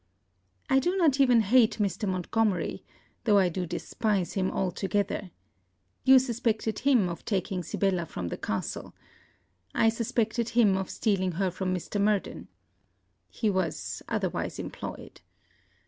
I do not even hate Mr. Montgomery; though I do despise him altogether. You suspected him of taking Sibella from the castle. I suspected him of stealing her from Mr. Murden. He was otherwise employed.